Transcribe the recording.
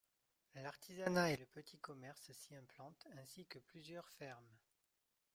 L'artisanat et le petit commerce s'y implante, ainsi que plusieurs fermes.